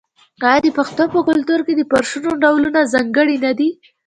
آیا د پښتنو په کلتور کې د فرشونو ډولونه ځانګړي نه دي؟